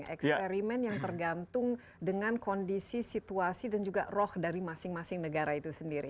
eksperimen yang tergantung dengan kondisi situasi dan juga roh dari masing masing negara itu sendiri